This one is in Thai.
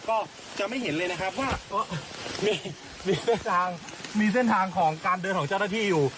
ก็จะไม่เห็นเลยนะครับว่ามีเส้นทางมีเส้นทางของการเดินของเจ้าหน้าที่อยู่